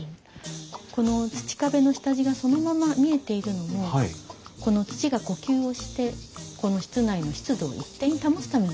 この土壁の下地がそのまま見えているのも土が呼吸をしてこの室内の湿度を一定に保つためのものなんです。